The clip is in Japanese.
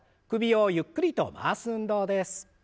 首をゆっくりと回す運動です。